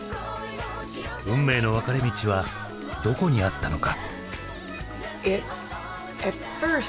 運命の分かれ道はどこにあったのか。